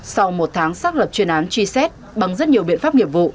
sau một tháng xác lập chuyên án truy xét bằng rất nhiều biện pháp nghiệp vụ